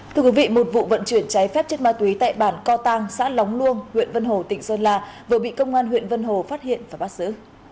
thưa quý vị một vụ vận chuyển cháy phép chất ma túy tại bản co tăng xã lóng luông huyện vân hồ tỉnh sơn la vừa bị công an huyện vân hồ phát hiện và bắt giữ